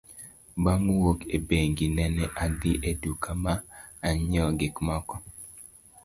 Bang' wuok e bengi, nene adhi e duka ma anyiewo gik moko.